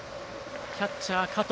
キャッチャー、加藤。